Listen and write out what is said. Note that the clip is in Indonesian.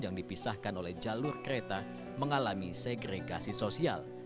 yang dipisahkan oleh jalur kereta mengalami segregasi sosial